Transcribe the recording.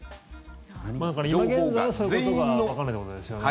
今現在はそういうことがわかんないってことですよね。